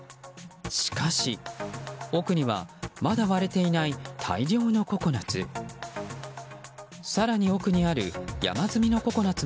しかし、奥にはまだ割れていない大量のココナツ。